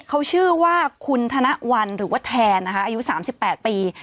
เขาชื่อว่าคุณธนวัลหรือว่าแทนนะคะอายุ๓๘ปี